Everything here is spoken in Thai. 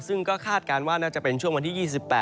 ซึ่งก็คาดการณ์ว่าน่าจะเป็นช่วงวันที่๒๘